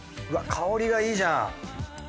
うわっ香りがいいじゃん。